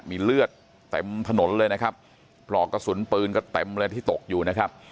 มีเลือดเต็มถนนเลยนะครับปลอกกระสุนปืนก็เต็มเลยที่ตกอยู่นะครับ